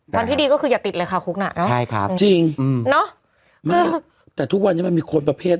วันที่ดีก็คืออย่าติดเลยค่ะคุกน่ะเนอะใช่ครับจริงอืมเนอะไม่แต่ทุกวันนี้มันมีคนประเภท